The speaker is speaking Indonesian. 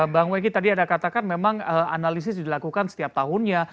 bang wegie tadi ada katakan memang analisis dilakukan setiap tahunnya